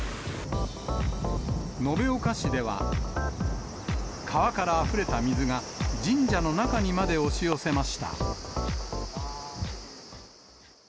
延岡市では、川からあふれた水が、神社の中にまで押し寄せました。